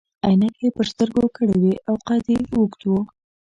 عینکې يې پر سترګو کړي وي او قد يې اوږد وو.